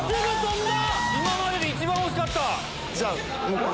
今までで一番惜しかった。